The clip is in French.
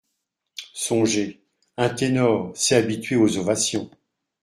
Songez, un ténor, c’est habitué aux ovations…